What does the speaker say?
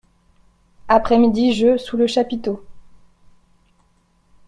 Après-midi jeux sous le chapiteau.